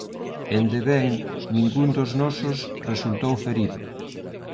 Ende ben, ningúns dos nosos resultou ferido.